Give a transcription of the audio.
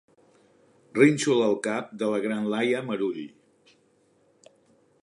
Rínxol al cap de la gran Laia Marull.